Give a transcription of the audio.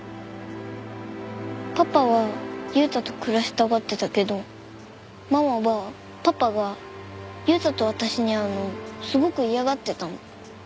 パパは悠太と暮らしたがってたけどママはパパが悠太と私に会うのすごく嫌がってたの。